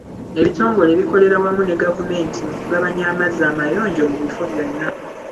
Ebitongole bikolera wamu ne gavumneti mu kugabanya amazzi amayonjo mu bifo byonna.